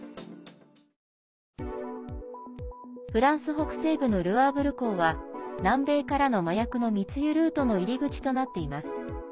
フランス北西部のルアーブル港は南米からの麻薬の密輸ルートの入り口となっています。